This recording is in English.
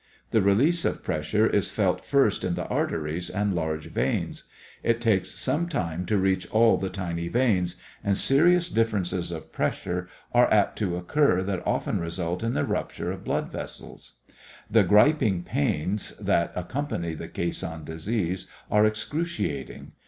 The release of pressure is felt first in the arteries and large veins. It takes some time to reach all the tiny veins, and serious differences of pressure are apt to occur that often result in the rupture of blood vessels. The griping pains that accompany the "Caisson Disease" are excruciating.